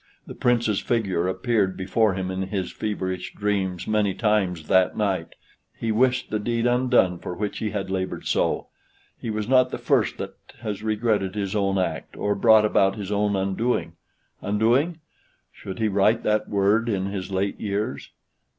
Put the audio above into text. The Prince's figure appeared before him in his feverish dreams many times that night. He wished the deed undone for which he had labored so. He was not the first that has regretted his own act, or brought about his own undoing. Undoing? Should he write that word in his late years?